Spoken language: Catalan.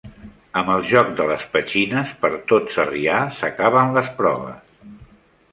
Amb el joc de les petxines per tot Sarrià s'acaben les proves.